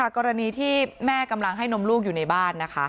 กรณีที่แม่กำลังให้นมลูกอยู่ในบ้านนะคะ